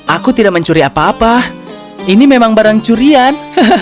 aku tidak mencuri apa apa ini memang barang curian